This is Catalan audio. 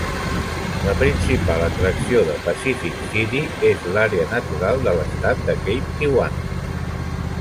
La principal atracció de Pacific City és l'àrea natural de l'estat de Cape Kiwanda.